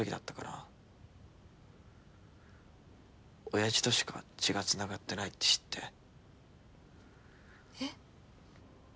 おやじとしか血がつながってないって知ってえっ？